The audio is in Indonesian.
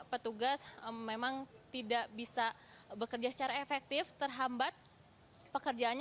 petugas memang tidak bisa bekerja secara efektif terhambat pekerjaannya